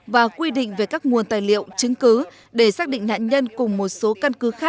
và quy định về các nguồn tài liệu chứng cứ để xác định nạn nhân cùng một số căn cứ